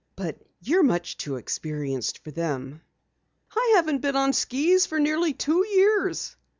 "But you're much too experienced for them." "I haven't been on skis for nearly two years."